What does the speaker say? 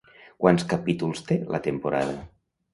Quants capítols té la temporada?